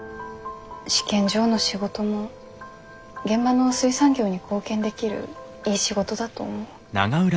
試験場の仕事も現場の水産業に貢献できるいい仕事だと思う。